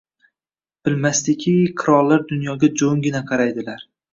Bilmasdiki, qirollar dunyoga jo‘ngina qaraydilar